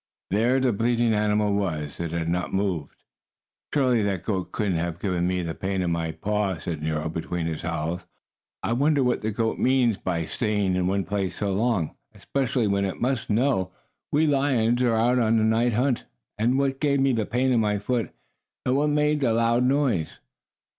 There the bleating animal was. It had not moved. "Surely that goat couldn't have given me the pain in my paw," said Nero, between his howls. "I wonder what the goat means by staying in one place so long, especially when it must know we lions are out on a night hunt. And what gave me the pain in my foot, and what made the loud noise?"